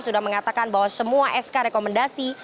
sudah mengatakan bahwa semua sk rekomendasi